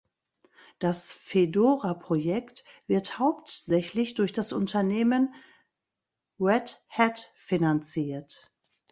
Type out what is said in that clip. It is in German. Das Fedora-Projekt wird hauptsächlich durch das Unternehmen Red Hat finanziert.